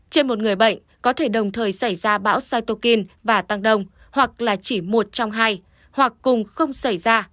trên một người bệnh có thể đồng thời xảy ra bão satokin và tăng đông hoặc là chỉ một trong hai hoặc cùng không xảy ra